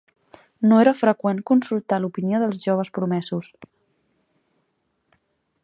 No era freqüent consultar l'opinió dels joves promesos.